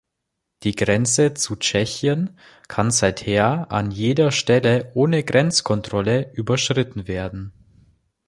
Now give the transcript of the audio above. Die Grenze zu Tschechien kann seither an jeder Stelle ohne Grenzkontrolle überschritten werden.